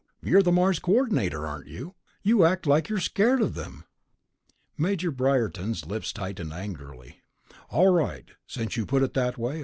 You're the Mars Coordinator, aren't you? You act like you're scared of them." Major Briarton's lips tightened angrily. "All right, since you put it that way